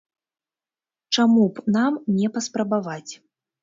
Чаму б нам не паспрабаваць.